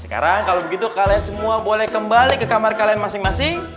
sekarang kalau begitu kalian semua boleh kembali ke kamar kalian masing masing